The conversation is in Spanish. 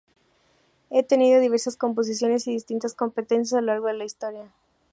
Ha tenido diversas composiciones y distintas competencias a lo largo de la historia.